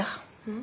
ん。